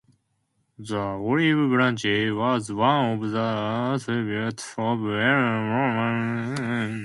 The olive branch was one of the attributes of Eirene on Roman Imperial coins.